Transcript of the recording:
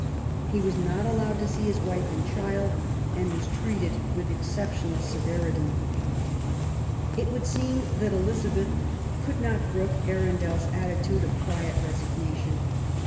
He was not allowed to see his wife and child, and was treated with exceptional severity. It would seem that Elizabeth could not brook ArundeFs attitude of quiet resignation.